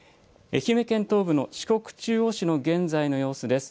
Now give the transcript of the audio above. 愛媛県東部の四国中央市の現在の様子です。